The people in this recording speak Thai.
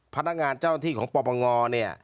พนักงานเจ้าหน้าที่ของปปงเนี่ย